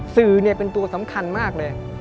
สื่อเป็นตัวสำคัญมากเลย